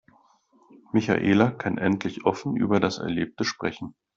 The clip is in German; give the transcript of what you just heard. Michaela kann endlich offen über das Erlebte sprechen.